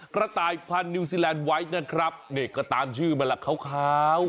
กะตายพันธุ์นิวซีแลนด์ไวท์นะครับเนี่ยก็ตามชื่อมันล่ะขาวขาว